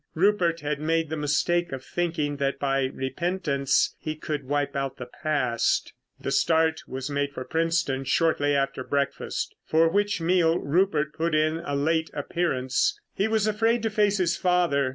Rupert had made the mistake of thinking that by repentance he could wipe out the past. The start was made for Princetown shortly after breakfast—for which meal Rupert put in a late appearance. He was afraid to face his father.